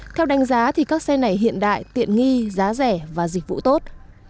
theo đánh giá các xe này hiện đại tiện nghi giá rẻ và dịch vụ tốt